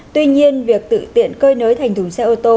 tuy nhiên việc tự tiện cơi nới thành thùng xe ô tô